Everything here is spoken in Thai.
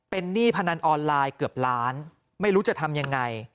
เป็นหนี้พนันออนไลน์เกือบล้านไม่รู้จะทำยังไง